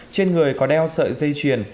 trên người có đeo sợi dây chuyền